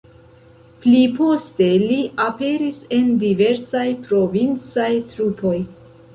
Pli poste li aperis en diversaj provincaj trupoj.